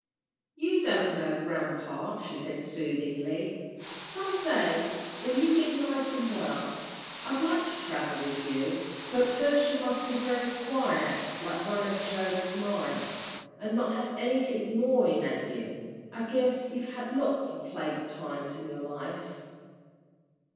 "You don't know, grampa," she said, soothingly. "Some day when you get nice and well, I'd like to travel with you, but first you must be very quiet like one of Job's mice, an' not have anythin' gnawin' at you I guess you've had lots of plague times in your life."